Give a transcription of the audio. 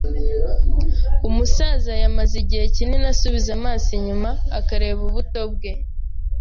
Umusaza yamaze igihe kinini asubiza amaso inyuma akareba ubuto bwe.